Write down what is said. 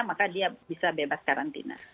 maka dia bisa bebas karantina